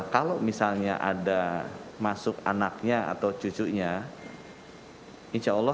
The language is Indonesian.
kalau misalnya ada masuk anaknya atau cucunya